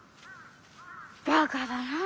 バカだな。